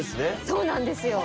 そうなんですよ！